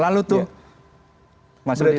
jadi kita harus menjaga supply chain